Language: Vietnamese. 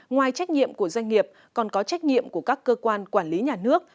ngoài trách nhiệm của doanh nghiệp còn có trách nhiệm của các cơ quan quản lý nhà nước